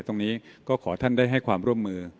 ตรงนี้ก็ขอท่านได้ให้ความร่วมมือ